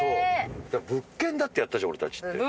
物件だってやったじゃん俺たちって。